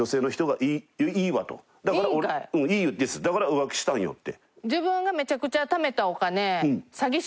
だから浮気したんよって。